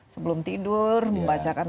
sebelum tidur membacakan